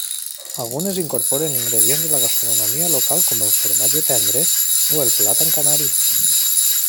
Algunes incorporen ingredients de la gastronomia local com el formatge tendre o el plàtan canari.